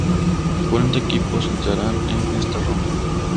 Cuarenta equipos entrarán en esta ronda.